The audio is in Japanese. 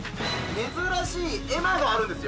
珍しい絵馬があるんですよ